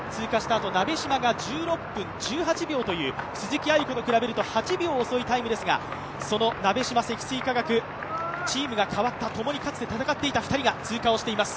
あと鍋島が１６分１５８秒という、鈴木亜由子より８秒遅いタイムですが、その鍋島、積水化学、チームが変わった、共にかつて戦っていた２人が通過をしています。